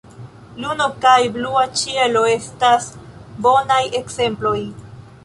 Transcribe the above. Luno kaj blua ĉielo estas bonaj ekzemploj.